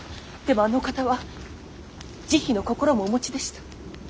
でもあのお方は慈悲の心もお持ちでした。